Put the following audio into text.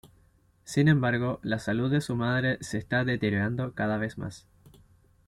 Sin embargo, la salud de su madre se está deteriorando cada vez más.